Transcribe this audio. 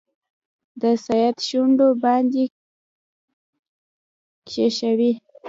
د سیند شونډو باندې کښېښوي